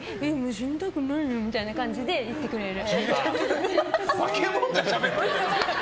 死にたくないよみたいな感じで行ってくれる。